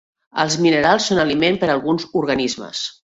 Els minerals són aliment per a alguns organismes.